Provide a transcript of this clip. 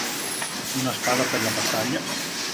Una spada per la battaglia.